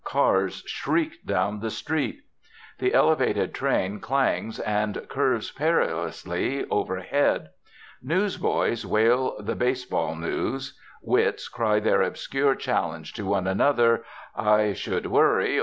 Cars shriek down the street; the Elevated train clangs and curves perilously overhead; newsboys wail the baseball news; wits cry their obscure challenges to one another, 'I should worry!'